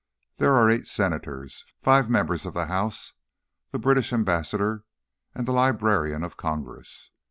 There are eight Senators, five members of the House, the British Ambassador, and the Librarian of Congress.